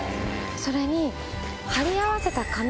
それに。